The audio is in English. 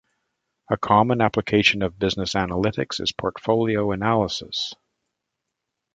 A common application of business analytics is portfolio analysis.